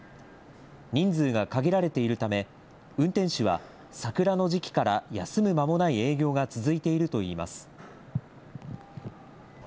人数が限られているため、運転手は桜の時期から休む間もない営業が続いているといいます。